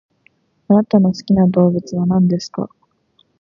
あなたの好きな動物は何ですか？